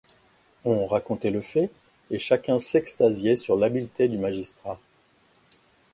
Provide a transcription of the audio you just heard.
On racontait le fait, et chacun s'extasiait sur l'habileté du magistrat.